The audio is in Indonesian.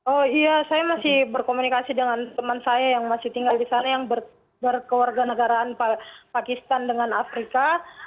oh iya saya masih berkomunikasi dengan teman saya yang masih tinggal di sana yang berkewarga negaraan pakistan dengan afrika